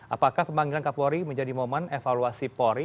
apakah pemanggilan kapolri menjadi momen evaluasi polri